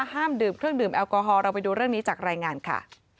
ห้ามดื่มเครื่องดื่มแอลกอฮอลเราไปดูเรื่องนี้จากรายงานค่ะ